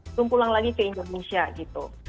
belum pulang lagi ke indonesia gitu